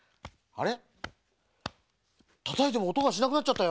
あれ？